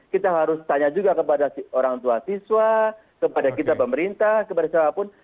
kita harus tanya juga kepada orang tua siswa kepada kita pemerintah kepada siapapun